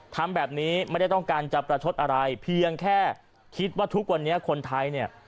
ทำแบบนี้ไม่ได้ต้องการจะประชดอะไรเพียงแค่คิดว่าทุกวันนี้คนไทยเนี่ย